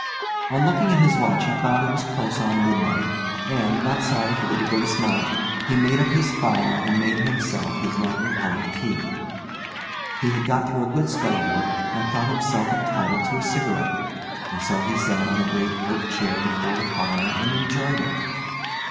On looking at his watch he found it was close on midnight; and, not sorry for the divertissement, he made up his fire and made himself his nightly pot of tea. He had got through a good spell of work, and thought himself entitled to a cigarette; and so he sat on the great oak chair before the fire and enjoyed it.